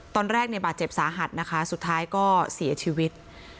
ตอนแรกเนี่ยบาดเจ็บสาหัสนะคะสุดท้ายก็เสียชีวิต